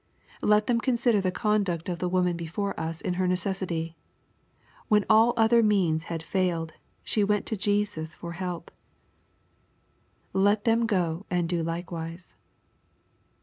Let them consider the conduct of the woman before us in her necessity. When all other means had failed, she went to Jesus for help. Let them go and do likewise.